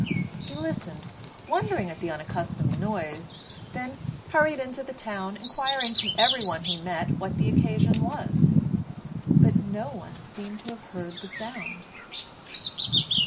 He listened, wondering at the unaccustomed noise, then hurried into the town, inquiring from every one he met what the occasion was. But no one seemed to have heard the sound.